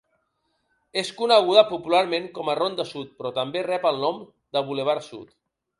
És coneguda popularment com a Ronda Sud però també rep el nom de Bulevard Sud.